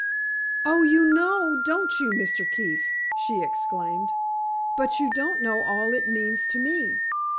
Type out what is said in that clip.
"Oh, you know, don't you, Mr. Keefe!" she exclaimed. "But you don't know all it means to me.